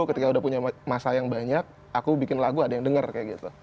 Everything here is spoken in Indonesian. ketika udah punya masa yang banyak aku bikin lagu ada yang denger kayak gitu